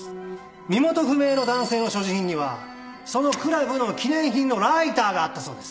身元不明の男性の所持品にはそのクラブの記念品のライターがあったそうです。